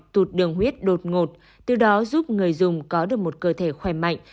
tụt đường huyết đột ngột từ đó giúp người dùng có được một cơ thể khỏe mạnh